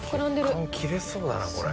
血管切れそうだなこれ。